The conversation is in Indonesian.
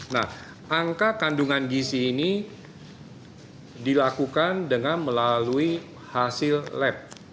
nah angka kandungan gisi ini dilakukan dengan melalui hasil lab